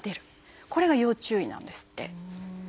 これが要注意なんですって。